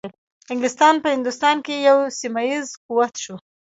انګلیسان په هندوستان کې یو سیمه ایز قوت شو.